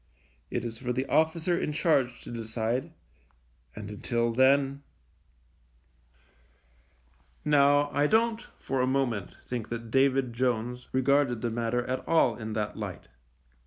It is for the officer in charge to decide, and until then Now, I don't for a moment think that David Jones regarded the matter at all in that light.